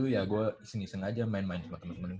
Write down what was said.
ya gue sengaja main main sama temen temen